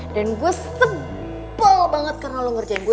dan gue sebel banget karena lo kerjain gue